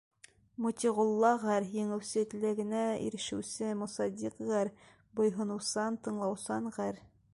Мотиғулла ғәр. — еңеүсе, теләгенә ирешеүсе Мосадиҡ ғәр. — буйһоноусан, тыңлаусан ғәр.